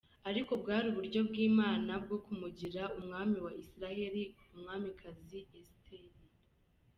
ariko bwari uburyo bw'Imana bwo kumugira umwami wa Isirayeli umwamikazi Esiteri.